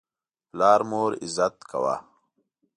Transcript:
پلار مور عزت کړه.